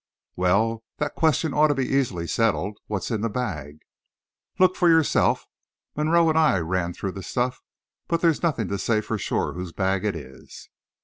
"Well, that question ought to be easily settled. What's in the bag?" "Look for yourself. Monroe and I ran through the stuff, but there's nothing to say for sure whose bag it is."